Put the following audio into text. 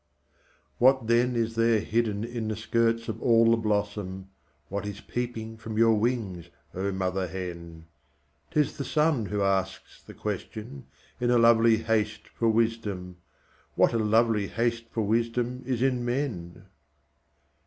What then is there hidden in the skirts of all the blossom, What is peeping from your wings, oh mother hen? 'T is the sun who asks the question, in a lovely haste for wisdom What a lovely haste for wisdom is in men?